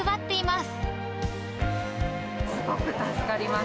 すごく助かります。